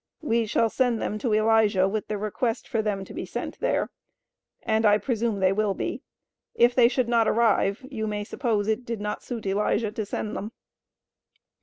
We shall send them to Elijah with the request for them to be sent there. And I presume they will be. If they should not arrive you may suppose it did not suit Elijah to send them.